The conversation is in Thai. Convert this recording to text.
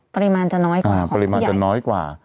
ปริมาณจะน้อยกว่าของผู้ใหญ่ปริมาณจะน้อยกว่า